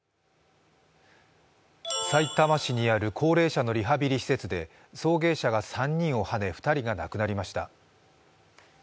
さいたま市にある高齢者のリハビリ施設で送迎車が３人をはね、２人が亡くなりました。